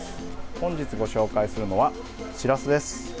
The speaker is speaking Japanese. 本日ご紹介するのは、しらすです。